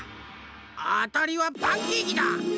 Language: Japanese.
あたりはパンケーキだ！